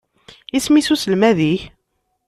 Isem-is uselmad-ik?